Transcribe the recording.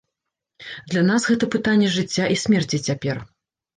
Для нас гэта пытанне жыцця і смерці цяпер.